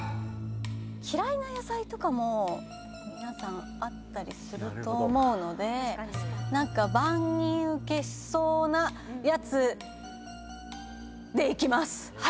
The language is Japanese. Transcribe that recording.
嫌いな野菜とかも皆さんあったりすると思うので何か万人受けしそうなやつでいきます。